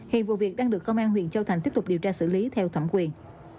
hiện vụ việc đang được công an huyện châu thành tiếp tục điều tra xử lý theo thẩm quyền